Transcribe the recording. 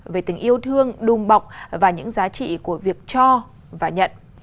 về tình yêu thương đùm bọc và những giá trị của việc cho và nhận